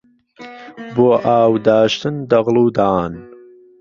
بۆ ئاو داشتن دەغڵ و دان